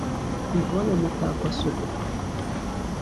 Yvonne Mutakwasuku